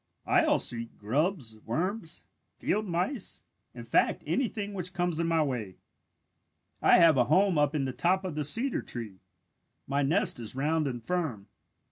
I also eat grubs, worms, field mice, in fact anything which comes in my way. "I have a home up in the top of the cedar tree. My nest is round and firm.